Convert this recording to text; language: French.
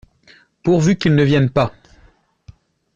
Pourvu qu’ils ne viennent pas !